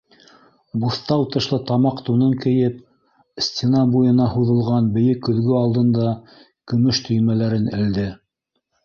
Буҫтау тышлы тамаҡ тунын кейеп, стена буйына һуҙылған бейек көҙгө алдында көмөш төймәләрен элде.